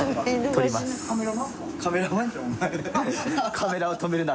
「カメラを止めるな！」